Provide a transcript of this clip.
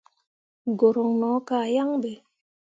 Guruŋ no kah yaŋ ɓe.